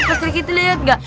pak sergiti liat gak